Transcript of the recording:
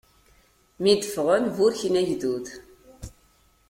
Mi d-ffɣen, burken agdud.